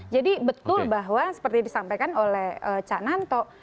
jadi betul bahwa seperti disampaikan oleh cak nanto